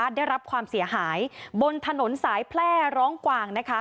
ได้รับความเสียหายบนถนนสายแพร่ร้องกวาง